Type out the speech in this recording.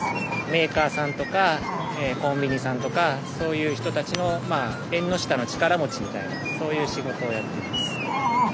メーカーさんとかコンビニさんとかそういう人たちの縁の下の力持ちみたいなそういう仕事をやってます。